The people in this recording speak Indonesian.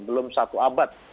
belum satu abad